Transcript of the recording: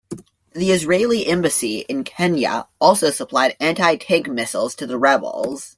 The Israeli embassy in Kenya also supplied anti-tank missiles to the rebels.